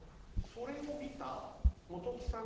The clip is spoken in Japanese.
それを見た。